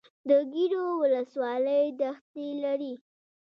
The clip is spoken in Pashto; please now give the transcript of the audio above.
د ګیرو ولسوالۍ دښتې لري